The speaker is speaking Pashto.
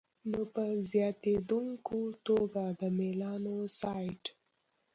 نو په زیاتېدونکي توګه د میلانوسایټ